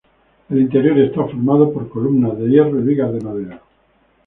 El interior está formado por columnas de hierro y vigas de madera.